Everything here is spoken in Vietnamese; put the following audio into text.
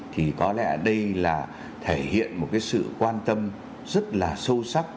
thì có lẽ đây là thể hiện một sự quan tâm rất là sâu sắc